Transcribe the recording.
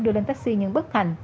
đưa lên taxi nhưng bất thành